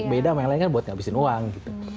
beda sama yang lain kan buat ngabisin uang gitu